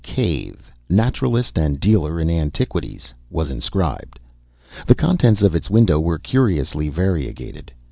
Cave, Naturalist and Dealer in Antiquities," was inscribed. The contents of its window were curiously variegated.